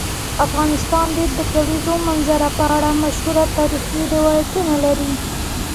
افغانستان د د کلیزو منظره په اړه مشهور تاریخی روایتونه لري.